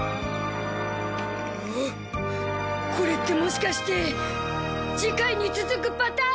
うおこれってもしかして次回に続くパターン！？